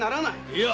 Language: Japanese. いや！